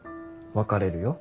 別れるよ。